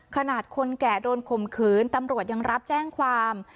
ขนาดคนแก่โดนข่มขืนตำรวจยังรับแจ้งความ